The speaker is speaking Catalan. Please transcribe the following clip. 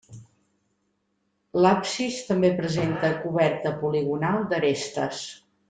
L'absis també presenta coberta poligonal d'arestes.